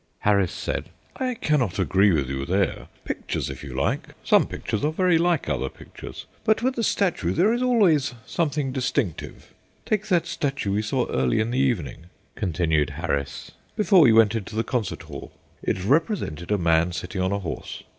Harris said: "I cannot agree with you there pictures, if you like. Some pictures are very like other pictures, but with a statue there is always something distinctive. Take that statue we saw early in the evening," continued Harris, "before we went into the concert hall. It represented a man sitting on a horse.